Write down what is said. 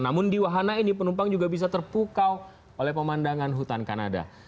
namun di wahana ini penumpang juga bisa terpukau oleh pemandangan hutan kanada